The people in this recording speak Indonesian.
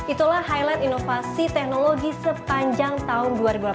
itulah highlight inovasi teknologi sepanjang tahun dua ribu delapan belas